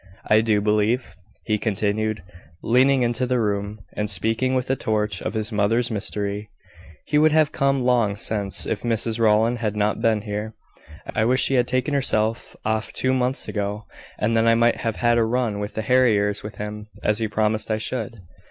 I do believe," he continued, leaning into the room, and speaking with a touch of his mother's mystery, "he would have come long since if Mrs Rowland had not been here. I wish she had taken herself off two months ago, and then I might have had a run with the harriers with him, as he promised I should."